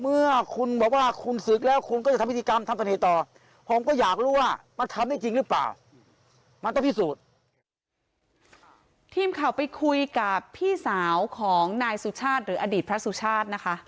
เมื่อคุณบอกว่าคุณศึกแล้วคุณก็จะทำพิธีกรรมทำวันเนตต่อ